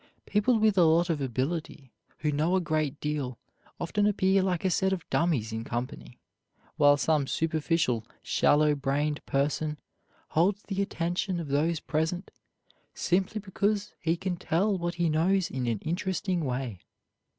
People with a lot of ability, who know a great deal, often appear like a set of dummies in company, while some superficial, shallow brained person holds the attention of those present simply because he can tell what he knows in an interesting way.